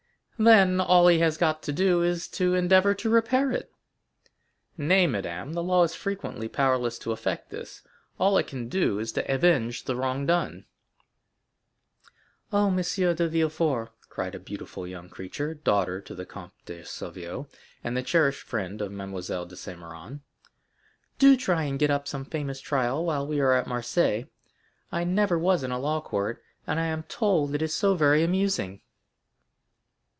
"Then all he has got to do is to endeavor to repair it." "Nay, madame, the law is frequently powerless to effect this; all it can do is to avenge the wrong done." "Oh, M. de Villefort," cried a beautiful young creature, daughter to the Comte de Salvieux, and the cherished friend of Mademoiselle de Saint Méran, "do try and get up some famous trial while we are at Marseilles. I never was in a law court; I am told it is so very amusing!"